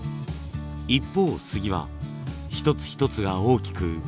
一方スギは一つ一つが大きくスカスカ。